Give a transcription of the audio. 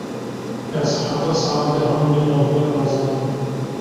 Ez heta saet dehan bênavber razam.